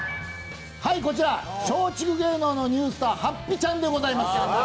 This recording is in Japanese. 松竹芸能のニュースターはっぴちゃんでございます。